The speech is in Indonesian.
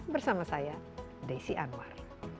bersama saya desi anwar